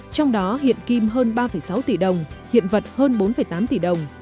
trong đó hiện kim hơn ba sáu tỷ đồng hiện vật hơn bốn tám tỷ đồng